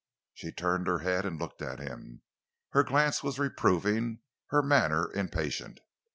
She turned her head and looked at him. Her glance was reproving, her manner impatient.